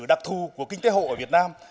đặc thù của kinh tế hộ ở việt nam